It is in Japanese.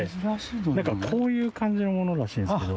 なんかこういう感じのものらしいんですけど。